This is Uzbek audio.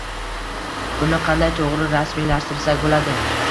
Buni qanday to‘g‘ri rasmiylashtirsak bo‘ladi?